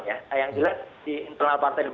ya yang jelas di internal partai